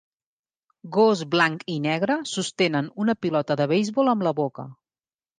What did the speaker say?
Gos blanc i negre sostenen una pilota de beisbol amb la boca.